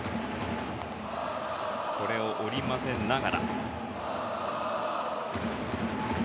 これを織り交ぜながら。